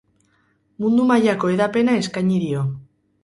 Mundu mailako hedapena eskaini dio.